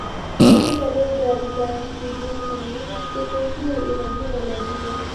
Katika lugha za Kigermanik siku hii ina jina la "jua".